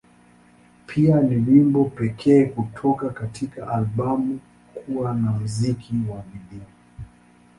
Pia, ni wimbo pekee kutoka katika albamu kuwa na muziki wa video.